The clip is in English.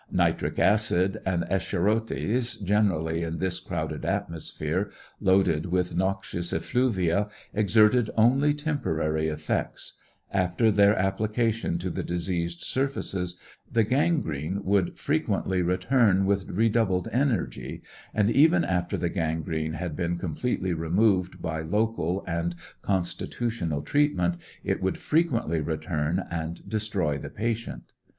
Nitric acid and escharoties generally in this crowded atmosphere, loaded with noxious effluvia, exerted only temporary effects; after their ap plication to the diseased surfaces, the gangrene would frequently re turned with redoubled energy; and even after the gangrene had been 186 REBEL TESTIMONY. completely removed by local and constitutional treatment, it would frequently return and destroy the patient.